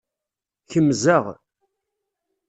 Kemzeɣ.